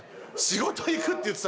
「仕事行く」っつって。